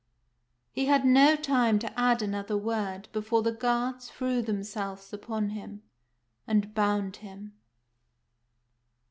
He had no time to add another word before the guards threw themselves upon him, and bound him.